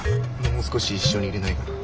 もう少し一緒にいれないかな？